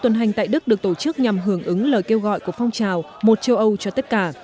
tuần hành tại đức được tổ chức nhằm hưởng ứng lời kêu gọi của phong trào một châu âu cho tất cả